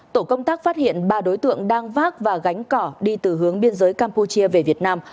tổ công tác phát hiện ba đối tượng đang vác và gánh cỏ đi từ hướng biên giới campuchia về việt nam